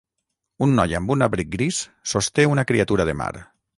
Un noi amb un abric gris sosté una criatura de mar.